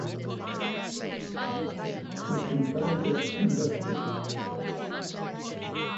The composer conducted.